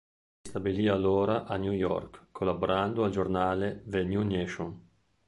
Si stabilì allora a New York, collaborando al giornale "The New Nation".